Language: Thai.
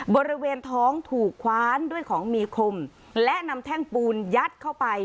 บริเวณท้องถูกคว้านด้วยของมีคมและนำแท่งปูนยัดเข้าไป